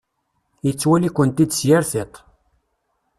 Yettwali-kent-id s yir tiṭ.